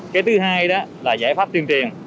cái thứ hai đó là giải pháp tuyên truyền